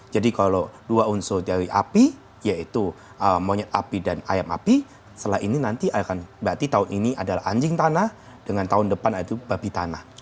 jadi kalau dua unsur dari api yaitu monyet api dan ayam api setelah ini nanti akan berarti tahun ini adalah anjing tanah dengan tahun depan yaitu babi tanah